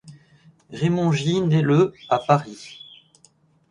Raymond Gid naît le à Paris.